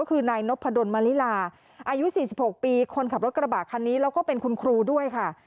ก็คือนายนพดลมลิลาอายุ๔๖ปีคนขับรถกระบะคันนี้แล้วก็เป็นคุณครูด้วยค่ะ